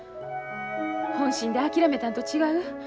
本心で諦めたんと違う。